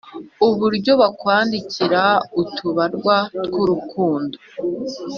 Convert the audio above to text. Uburyo bakwandikira utubarwa tw'urukundo